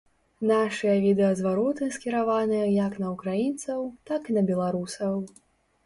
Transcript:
Нашыя відэазвароты скіраваныя як на украінцаў так і на беларусаў.